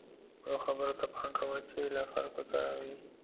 خپلو خبرو ته پام کوه چې له خلکو سره وئ.